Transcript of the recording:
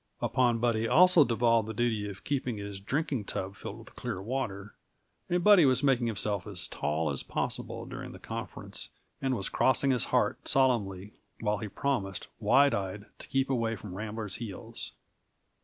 Upon Buddy also devolved the duty of keeping his drinking tub filled with clean water; and Buddy was making himself as tall as possible during the conference, and was crossing his heart solemnly while he promised, wide eyed, to keep away from Rambler's heels.